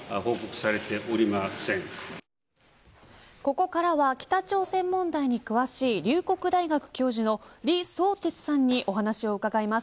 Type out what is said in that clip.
ここからは北朝鮮問題に詳しい龍谷大学教授の李相哲さんにお話を伺います。